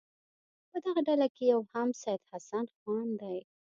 په دغه ډله کې یو هم سید حسن خان دی.